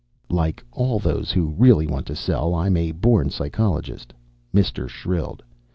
"Like all those who really want to sell, I'm a born psychologist," Mister shrilled.